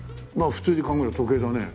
普通に考えると時計だね。